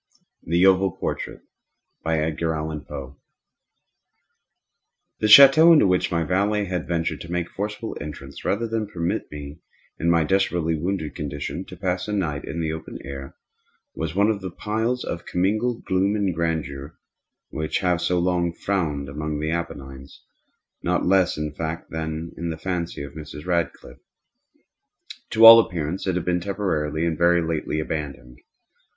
THE OVAL PORTRAIT The château into which my valet had ventured to make forcible entrance, rather than permit me, in my desperately wounded condition, to pass a night in the open air, was one of those piles of commingled gloom and grandeur which have so long frowned among the Appennines, not less in fact than in the fancy of Mrs. Radcliffe. To all appearance it had been temporarily and very lately abandoned.